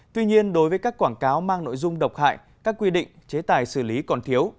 tuy nhiên đối với các quảng cáo mang nội dung độc hại các quy định chế tài xử lý còn thiếu